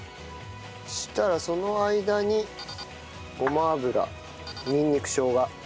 そしたらその間にごま油ニンニクしょうが。